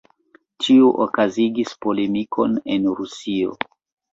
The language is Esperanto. Tio okazigis polemikon en Rusio.